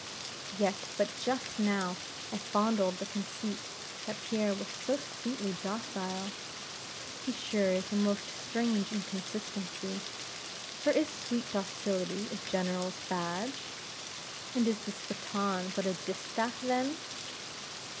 Yet but just now I fondled the conceit that Pierre was so sweetly docile! Here sure is a most strange inconsistency! For is sweet docility a general's badge? and is this baton but a distaff then?